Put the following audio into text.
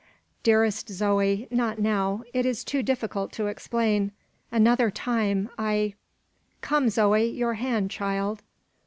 "Dearest Zoe! not now: it is too difficult to explain; another time, I " "Come, Zoe! your hand, child!"